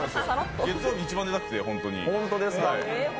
月曜日一番出たくて、本当に。